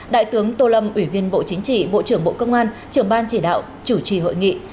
đại tướng tô lâm ủy viên bộ chính trị bộ trưởng bộ công an trưởng ban chỉ đạo chủ trì hội nghị